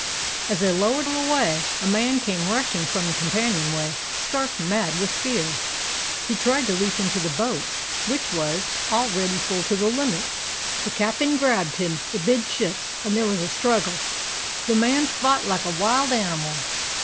"As they lowered away, a man came rushing from the companionway, stark mad with fear. He tried to leap into the boat, which was 228 A CALIFORNIA SEA DOG already full to the limit. The cap'n grabbed him amidships and there was a struggle. The man fought like a wild animal.